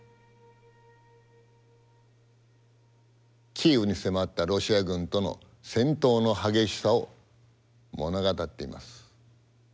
キーウに迫ったロシア軍との戦闘の激しさを物語っています。